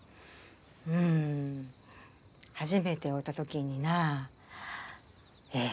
うん初めて会うたときになええ